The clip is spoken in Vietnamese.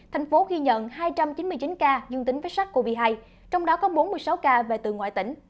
thành phố ghi nhận hai trăm chín mươi chín ca dương tính với sars cov hai trong đó có bốn mươi sáu ca về từ ngoại tỉnh